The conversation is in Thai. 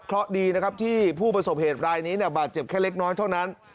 เพราะดีนะครับที่ผู้ประสบเหตุรายนี้บาดเจ็บแค่เล็กน้อยเท่านั้น